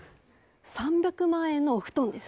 ３００万円のお布団です。